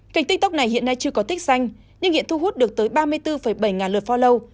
kênh tiktok này hiện nay chưa có tích xanh nhưng hiện thu hút được tới ba mươi bốn bảy ngàn lượt volow